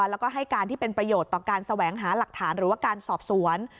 แล้วก็ให้การที่เป็นประโยชน์ต่อการแสวงหาหลักฐานหรือว่าการสอบสวน